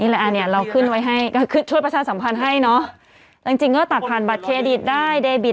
นี่แหละอ่ะเนี้ยเราขึ้นไว้ให้ก็ช่วยประชาติสัมพันธ์ให้เนอะจริงจริงก็ตัดผ่านบัตรเครดิตได้